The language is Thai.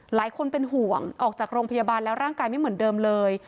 หลายคนเป็นห่วงออกจากโรงพยาบาลแล้วร่างกายไม่เหมือนเดิมเลย